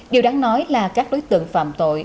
điều đáng nói là các đối tượng phạm tội